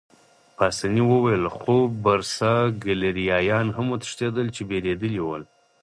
پاسیني وویل: خو برساګلیریایان هم وتښتېدل، چې بېرېدلي ول.